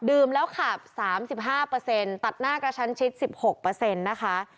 แล้วขับ๓๕ตัดหน้ากระชั้นชิด๑๖นะคะ